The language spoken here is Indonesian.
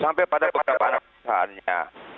sampai pada beberapa anak misalnya